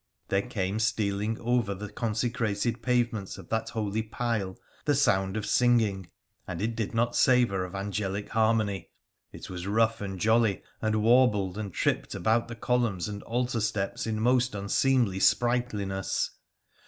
There came stealing over the consecrated pavements of that holy pile the sound of singing, and it did not savour of angelic harmony : it was rough, and jolly, and warbled and tripped about the columns and altar steps in most unseemly sprightliness.